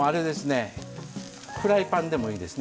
フライパンでもいいですね。